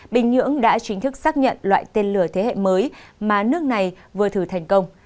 bình nhưỡng đã chính thức xác nhận loại tên lửa thế hệ mới mà nước này vừa thử thành công